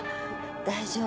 大丈夫